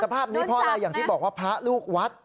สภาพนี้พอเลยอย่างที่แบบพระลูกวัด